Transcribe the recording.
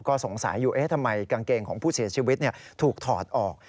ก็สงสัยอยู่ทำไมกางเกงของผู้เสียชีวิตถูกถอดออก